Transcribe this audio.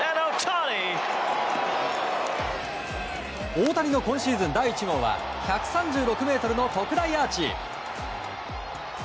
大谷の今シーズン第１号は１３６ｍの特大アーチ！